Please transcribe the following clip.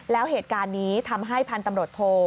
แล้วเหตุการณ์นี้ทำให้พันธุ์ตำรวจโท